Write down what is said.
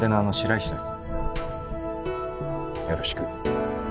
よろしく。